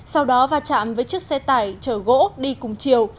sau đó va chạm với chiếc xe tải chở gỗ đi cùng chiều